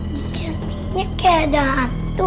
di cerminnya kayak ada hantu